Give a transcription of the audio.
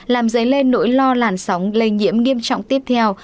làm dấy lên nỗi lo làn sóng lây nhiễm nghiêm trọng tiếp theo